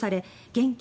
現金